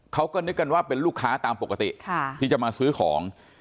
เขาก็นึกกันว่าเป็นลูกค้าตามปกติที่จะมาซื้อของ